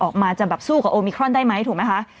ออกมาจะแบบสู้กับโอมิครอนได้ไหมถูกไหมคะ